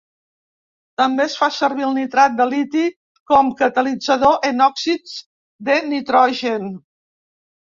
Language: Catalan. També es fa servir el nitrat de liti com catalitzador en òxids de nitrogen.